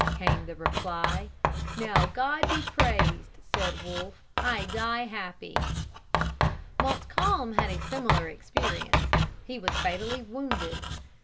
came the reply. "Now God be praised," said Wolfe, "I die happy." Montcalm had a similar experience. He was fatally wounded.